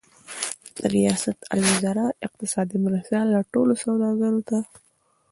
د ریاست الوزار اقتصادي مرستیال ټولو سوداګرو ته